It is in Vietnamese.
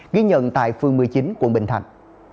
ghi nhận tại phường một mươi chín quận bình thạnh